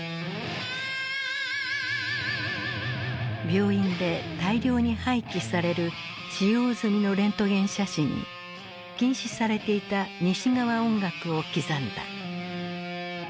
病院で大量に廃棄される使用済みのレントゲン写真に禁止されていた西側音楽を刻んだ。